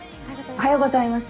おはようございます。